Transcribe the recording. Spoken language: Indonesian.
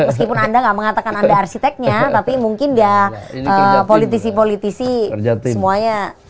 meskipun anda enggak mengatakan anda arsiteknya tapi mungkin ya politisi politisi semuanya tahu lah gitu ya